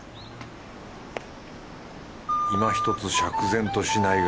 いまひとつ釈然としないが。